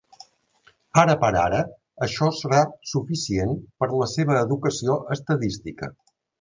Ara per ara això serà suficient per a la seva educació estadística.